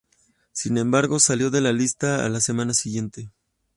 Sin embargo, salió de la lista a la semana siguiente.